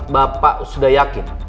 bapak sudah yakin